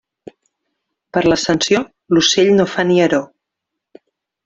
Per l'Ascensió, l'ocell no fa nieró.